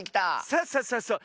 そうそうそうそう。